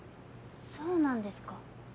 そうなんですか？